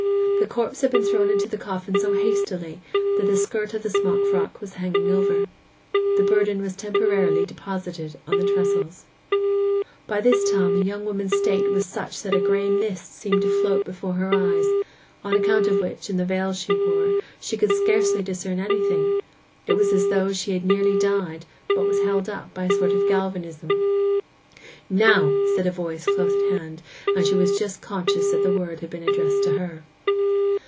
The corpse had been thrown into the coffin so hastily that the skirt of the smockfrock was hanging over. The burden was temporarily deposited on the trestles. By this time the young woman's state was such that a gray mist seemed to float before her eyes, on account of which, and the veil she wore, she could scarcely discern anything: it was as though she had nearly died, but was held up by a sort of galvanism. 'Now!' said a voice close at hand, and she was just conscious that the word had been addressed to her.